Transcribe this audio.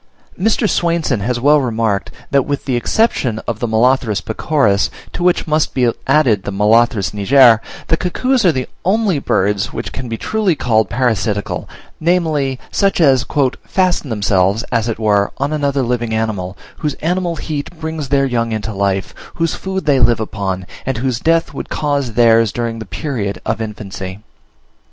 Mr. Swainson has well remarked, that with the exception of the Molothrus pecoris, to which must be added the M. niger, the cuckoos are the only birds which can be called truly parasitical; namely, such as "fasten themselves, as it were, on another living animal, whose animal heat brings their young into life, whose food they live upon, and whose death would cause theirs during the period of infancy."